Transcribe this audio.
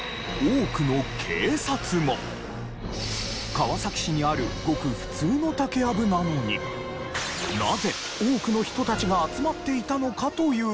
川崎市にあるごく普通の竹やぶなのになぜ多くの人たちが集まっていたのかというと。